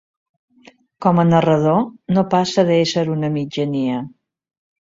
Com a narrador no passa d'ésser una mitjania.